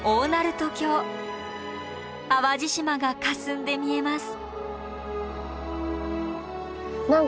淡路島がかすんで見えます。